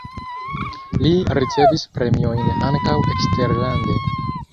Li ricevis premiojn ankaŭ eksterlande.